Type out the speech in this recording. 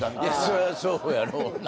そりゃそうやろうな。